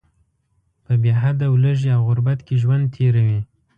په بې حده ولږې او غربت کې ژوند تیروي.